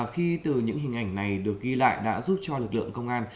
khi từ những hình ảnh này được ghi lại đã giúp cho lực lượng công an